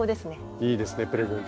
いいですねプレゼント。